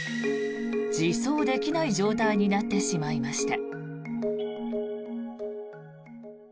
自走できない状態になってしまいました。